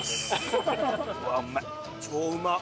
超うまっ！